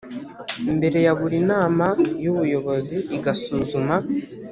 mbere ya buri nama y ubuyobozi igasuzuma